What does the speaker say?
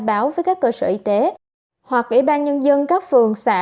báo với các cơ sở y tế hoặc ủy ban nhân dân các phường xã